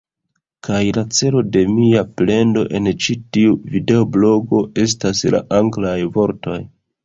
Kaj la celo de mia plendo en ĉi tiu videoblogo estas la anglaj vortoj